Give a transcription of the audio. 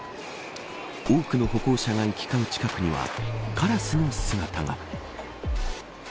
多くの歩行者が行き交う近くにはカラスの姿が。